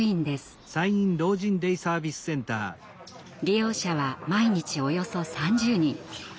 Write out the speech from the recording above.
利用者は毎日およそ３０人。